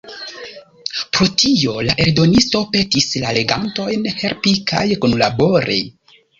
Pro tio la eldonisto petis la legantojn helpi kaj kunlabori.